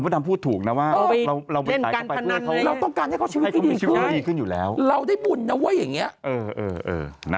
แต่มันพูดถูกนะว่าเราไปใช้เข้าไปเพื่อเขาเราต้องการให้เขาชีวิตขึ้นอยู่แล้วเราได้บุญนะเว้ยอย่างเนี้ยเออนะ